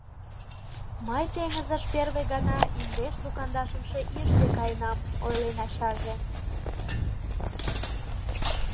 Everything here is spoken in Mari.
— Мый теҥызыш первый гана индешлу кандашымше ийыште каенам, — ойлен ачаже.